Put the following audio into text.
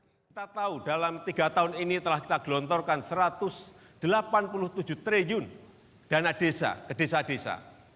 kita tahu dalam tiga tahun ini telah kita gelontorkan rp satu ratus delapan puluh tujuh triliun dana desa ke desa desa